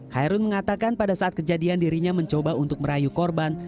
khairun mengatakan pada saat kejadian dirinya mencoba untuk merayu korban